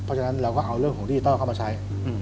เพราะฉะนั้นเราก็เอาเรื่องของดิจิทัลเข้ามาใช้